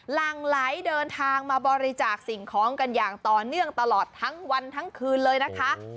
หลังไหลเดินทางมาบริจาคสิ่งของกันอย่างต่อเนื่องตลอดทั้งวันทั้งคืนเลยนะคะ